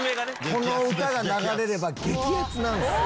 この歌が流れれば激アツなんですよ。